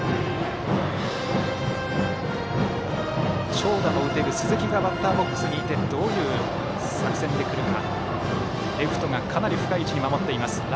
長打も打てる鈴木がバッターボックスにいてどういう作戦でくるか。